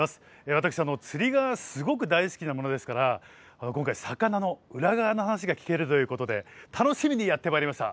私釣りがすごく大好きなものですから今回魚の裏側の話が聞けるということで楽しみにやって参りました。